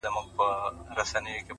هوډ د اوږدو لارو ملګری دی